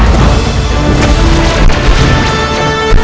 kau akan menang